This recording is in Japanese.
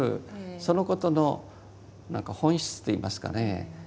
そのことの何か本質っていいますかね